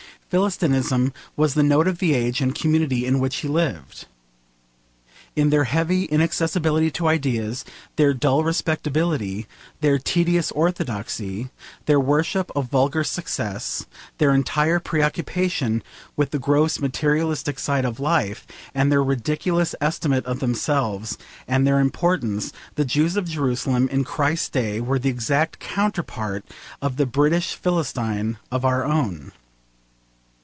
Philistinism was the note of the age and community in which he lived. In their heavy inaccessibility to ideas, their dull respectability, their tedious orthodoxy, their worship of vulgar success, their entire preoccupation with the gross materialistic side of life, and their ridiculous estimate of themselves and their importance, the Jews of Jerusalem in Christ's day were the exact counterpart of the British Philistine of our own.